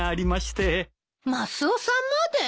マスオさんまで？